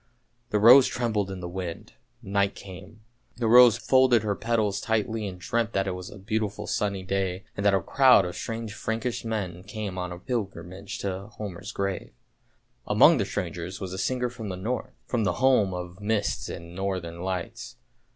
The rose trembled in the wind. Night came; the rose folded her petals tightly and dreamt that it was a beautiful sunny day, and that a crowd of strange Frankish men came on a pilgrimage to Homer's grave. Among the strangers was a singer from the North, from the home of mists and northern lights.